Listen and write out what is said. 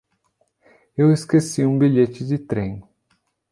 Eu esqueci um bilhete de trem.